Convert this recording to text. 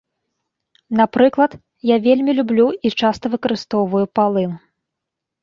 Напрыклад, я вельмі люблю і часта выкарыстоўваю палын.